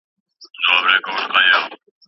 د لویې جرګي پرانیستل ولي د قران په تلاوت پیلیږي؟